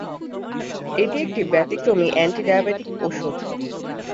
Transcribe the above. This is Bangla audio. এটি একটি ব্যতিক্রমী অ্যান্টি-ডায়াবেটিক ওষুধ।